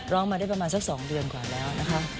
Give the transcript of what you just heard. ร้องมาได้ประมาณสัก๒เดือนกว่าแล้วนะคะ